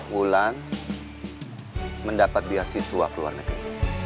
wulan mendapat biasiswa ke luar negeri